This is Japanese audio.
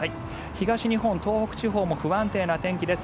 東日本、東北地方も不安定な天気です。